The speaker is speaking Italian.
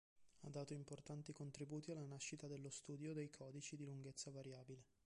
Ha dato un importanti contributi alla nascita dello studio dei codici di lunghezza variabile.